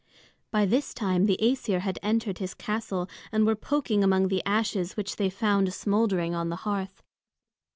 By this time the Æsir had entered his castle and were poking among the ashes which they found smouldering on the hearth.